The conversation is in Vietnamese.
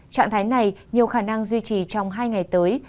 trạng thái này nhiều khả năng duy trì trong hai ngày tới